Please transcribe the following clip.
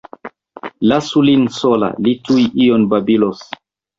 Lasu lin sola, li tuj ion babilos.